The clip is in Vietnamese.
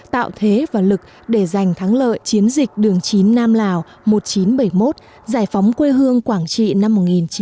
tạo thế và lực để giành thắng lợi chiến dịch đường chín nam lào một nghìn chín trăm bảy mươi một giải phóng quê hương quảng trị năm một nghìn chín trăm bảy mươi năm